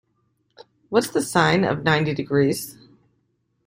What's the sine of ninety degrees?